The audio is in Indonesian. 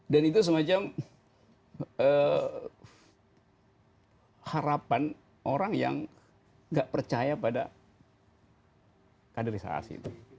dan itu semacam harapan orang yang tidak percaya pada kaderisasi itu